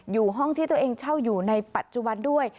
อยู่ห้องที่ตัวเองเช่าอยู่ในปัจจุบันด้วย